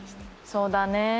そうだね。